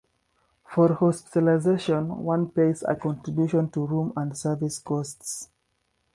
For hospitalisation, one pays a contribution to room and service costs.